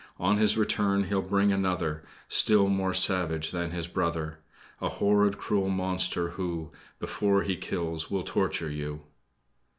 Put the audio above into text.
On his return he'll bring another, Still more savage than his brother; A horrid, cruel monster, who Before he kills will torture you!"